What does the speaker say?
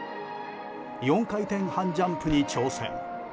４回転半ジャンプに挑戦。